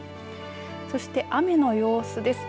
そして、雨の様子です。